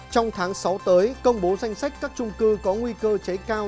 trong tháng sáu tới công bố danh sách các trung cư có nguy cơ cháy cao